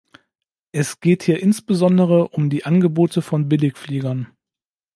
Es geht hier insbesondere um die Angebote von Billigfliegern.